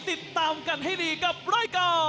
ติดตามกันให้ดีกับรายการ